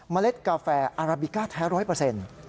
เล็ดกาแฟอาราบิก้าแท้ร้อยเปอร์เซ็นต์